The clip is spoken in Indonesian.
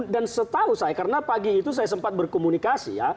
dan setahu saya karena pagi itu saya sempat berkomunikasi